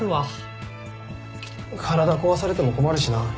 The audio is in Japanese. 体壊されても困るしな。